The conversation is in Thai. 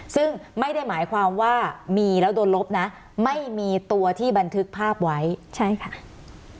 ซึ่งไม่ได้หมายความว่ามีแล้วโดนลบนะไม่มีตัวที่บันทึกภาพไว้ใช่ค่ะ